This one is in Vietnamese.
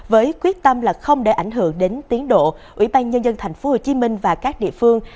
với quyết tâm là không để ảnh hưởng đến tiến độ ủy ban nhân dân tp hcm và các địa phương